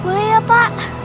boleh ya pak